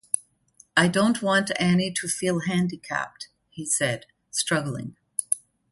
“I don’t want Annie to feel handicapped,” he said, struggling.